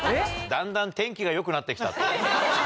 「だんだん天気が良くなってきた」。